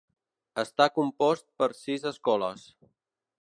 Està compost per sis escoles.